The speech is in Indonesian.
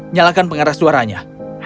nyalakan pengarah suaranya